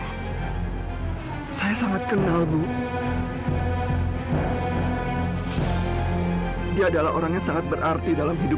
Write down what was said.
apa bener paharis itu adalah